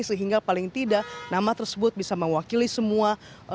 sehingga paling tidak nama tersebut bisa mewakili semua